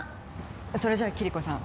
それじゃキリコさん